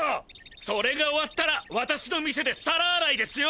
それが終わったらわたしの店で皿あらいですよ！